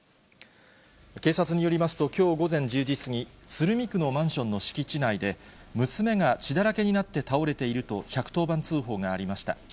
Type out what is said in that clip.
警察によりますと、きょう午前１０時過ぎ、鶴見区のマンションの敷地内で、娘が血だらけになって倒れていると、１１０番通報がありました。